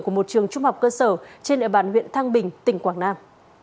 của một trường trung học cơ sở trên địa bàn huyện thăng bình tỉnh quảng nam